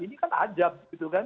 ini kan ajab gitu kan